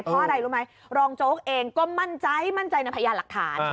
เพราะอะไรรู้ไหมรองโจ๊กเองก็มั่นใจมั่นใจในพยานหลักฐาน